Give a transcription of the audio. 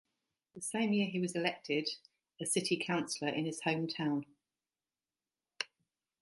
The same year, he was elected a city councillor in his hometown.